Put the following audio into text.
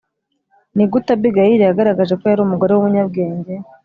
Ni gute Abigayili yagaragaje ko yari umugore w umunyabwenge